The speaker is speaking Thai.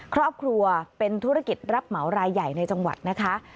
ครอบครัวเป็นธุรกิจรับเหมารายใหญ่ในจังหวัดนะคะ